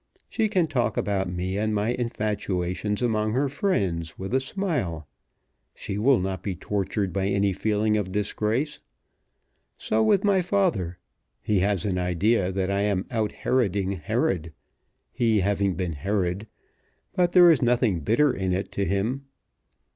She can talk about me and my infatuations among her friends with a smile. She will not be tortured by any feeling of disgrace. So with my father. He has an idea that I am out Heroding Herod, he having been Herod; but there is nothing bitter in it to him.